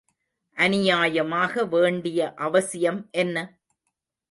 அந்நியமாக வேண்டிய அவசியம் என்ன?